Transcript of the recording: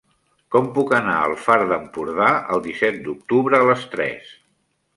Com puc anar al Far d'Empordà el disset d'octubre a les tres?